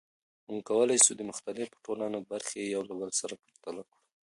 موږ کولای سو د مختلفو ټولنو برخې یو له بل سره پرتله کړو.